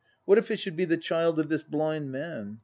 What if it should be the child of this blind man?